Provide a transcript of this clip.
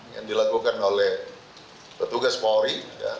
yang dilakukan oleh petugas polri